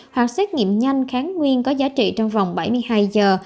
hoặc xét nghiệm nhanh kháng nguyên có giá trị trong vòng bảy mươi hai giờ